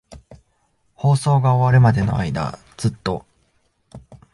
放送が終わるまでの間、ずっと。